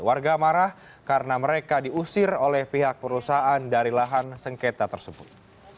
warga marah karena mereka diusir oleh pihak perusahaan dari lahan sengketa tersebut